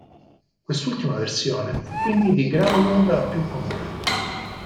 Quest'ultima versione fu quindi di gran lunga la più comune.